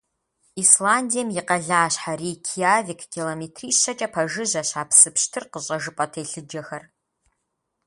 Исландием и къалащхьэ Рейкьявик километрищэкӀэ пэжыжьэщ а псы пщтыр къыщӀэжыпӀэ телъыджэхэр.